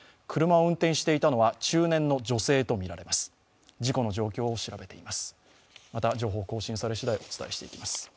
車を運転していたのは中年の女性とみられます。